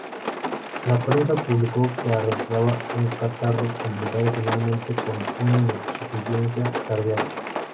La prensa publicó que arrastraba un catarro complicado finalmente con una insuficiencia cardíaca.